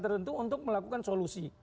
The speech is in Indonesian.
yang terhentu untuk melakukan solusi